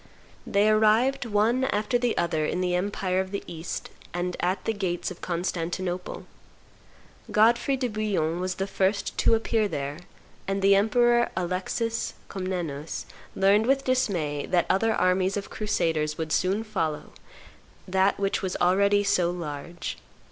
They arrived one after the other in the empire of the East and at the gates of Constantinople. Godfrey de Bouillon was the first to appear there, and the Emperor Alexis Comnenus learned with dismay that other armies of crusaders would soon follow that which was already so large.